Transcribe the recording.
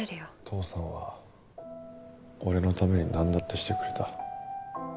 父さんは俺のためになんだってしてくれた。